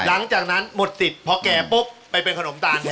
หลังจากนั้นหมดสิทธิ์พอแก่ปุ๊บไปเป็นขนมตาล